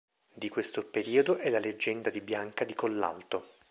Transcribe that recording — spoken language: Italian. Di questo periodo è la leggenda di Bianca di Collalto.